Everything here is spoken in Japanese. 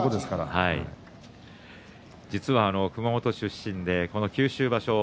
熊本出身で九州場所。